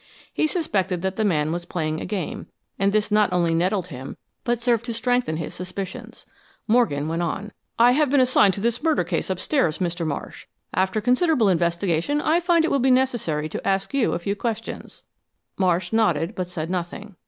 He suspected that the man was playing a game, and this not only nettled him, but served to strengthen his suspicions. Morgan went on. "I have been assigned to this murder case upstairs, Mr. Marsh. After considerable investigation I find it will be necessary to ask you a few questions." Marsh nodded but said nothing.